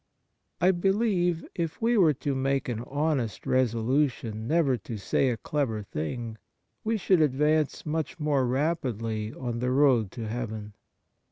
I believe, if we were to make an honest resolution never to say a clever thing, we should advance much more rapidly on the road to heaven.